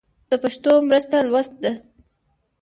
د پښتو مرسته لوست ده.